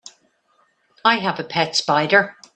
I have a pet spider.